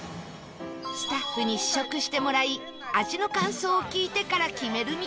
スタッフに試食してもらい味の感想を聞いてから決めるみたいです